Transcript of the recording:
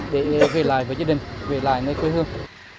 để về lại với gia đình về lại nơi quê hương